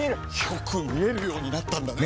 よく見えるようになったんだね！